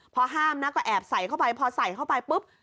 พอห้ามนะก็แอบใส่เข้าไปพอใส่เข้าไปปุ๊บ